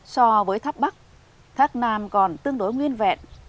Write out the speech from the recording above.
so với tháp bắc nam còn tương đối nguyên vẹn